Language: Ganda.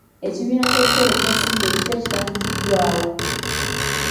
Ekibiina ky'okutereka ensimbi ekipya kitandikiddwawo.